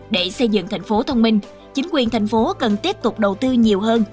để xây dựng tp hcm chính quyền tp hcm cần tiếp tục đầu tư nhiều hơn